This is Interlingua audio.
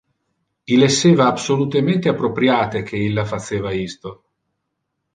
Il esseva absolutemente appropriate que illa faceva isto.